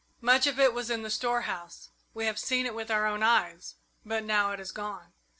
Much of it was in the storehouse we have seen it with our own eyes, but now it is gone."